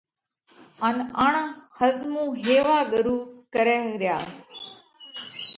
ان اڻ ۿزمُو هيوا ڳرُو ڪرئه ريا.